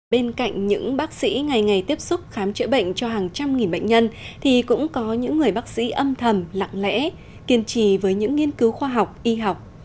bên cạnh những bác sĩ ngày ngày tiếp xúc khám chữa bệnh cho hàng trăm nghìn bệnh nhân thì cũng có những người bác sĩ âm thầm lặng lẽ kiên trì với những nghiên cứu khoa học y học